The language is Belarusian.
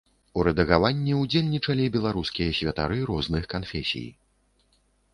У рэдагаванні ўдзельнічалі беларускія святары розных канфесій.